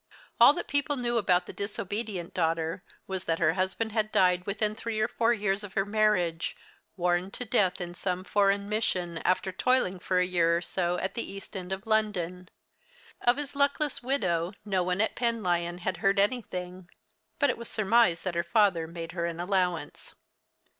All that people knew about the disobedient daughter was that her husband had died within three or four years of her marriage, worn to death in some foreign mission. Of his luckless widow no one at Penlyon had heard anything, but it was surmised that her father made her an allowance.